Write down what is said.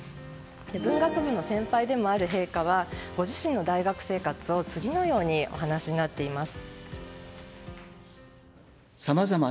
文学部の先輩でもある陛下はご自身の大学生活を次のようにお話しになっています。